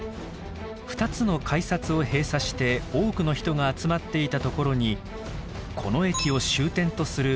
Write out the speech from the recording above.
２つの改札を閉鎖して多くの人が集まっていたところにこの駅を終点とする地下鉄